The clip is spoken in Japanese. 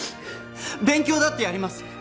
勉強だってやります！